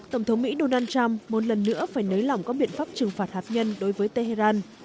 tổng thống mỹ donald trump một lần nữa phải nới lỏng các biện pháp trừng phạt hạt nhân đối với tehran